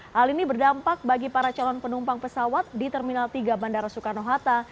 hal ini berdampak bagi para calon penumpang pesawat di terminal tiga bandara soekarno hatta